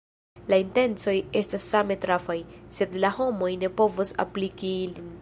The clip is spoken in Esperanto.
La intencoj estas same trafaj, sed la homoj ne povos apliki ilin.